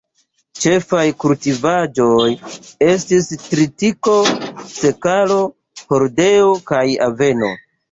Ĉefaj kultivaĵoj estis tritiko, sekalo, hordeo kaj aveno.